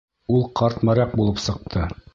Ул ҡарт моряк булып сыҡты.